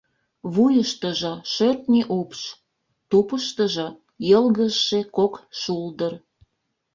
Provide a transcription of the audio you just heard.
Вуйыштыжо шӧртньӧ упш, тупыштыжо йылгыжше кок шулдыр.